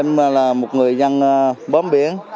em là một người dân bóm biển